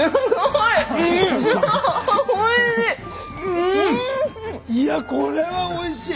いやあこれはおいしい。